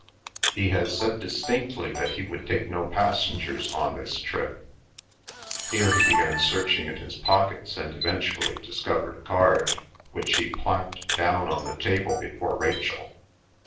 He had said distinctly that he would take no passengers on this trip. Here he began searching in his pockets and eventually discovered a card, which he planked down on the table before Rachel.